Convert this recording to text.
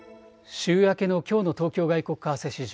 週明けのきょうの東京外国為替市場